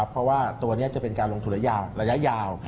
เพราะว่าตัวนี้จะเป็นการลงทุนระยะยาว